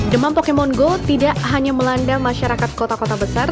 demam pokemon go tidak hanya melanda masyarakat kota kota besar